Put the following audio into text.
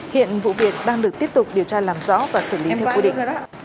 hiện vụ việc đang được tiếp tục điều tra làm rõ và xử lý theo quy định